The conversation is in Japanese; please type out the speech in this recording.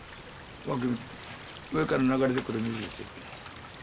上から流れてくる水ですよ。